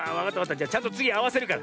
じゃちゃんとつぎあわせるから。